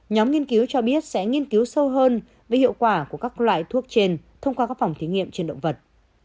nhóm nghiên cứu cho biết sẽ nghiên cứu sâu hơn về hiệu quả của các loại thuốc trên thông qua các phòng thí nghiệm trên động vật